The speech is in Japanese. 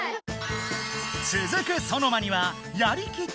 つづくソノマには「やりきったで賞」